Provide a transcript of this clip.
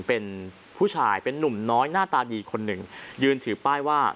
เป็นผู้ชายเป็นนุ่มน้อยหน้าตาดีคนหนึ่งยืนถือป้ายว่า